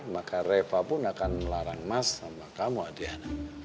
maka reva pun akan melarang mas sama kamu adian